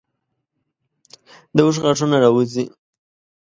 د اوښ غاښونه راوځي.